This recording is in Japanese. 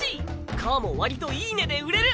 皮も割といい値で売れる。